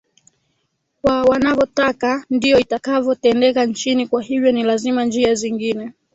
wa wanavotaka ndio itakavo tendeka nchini kwa hivyo ni lazima njia zingine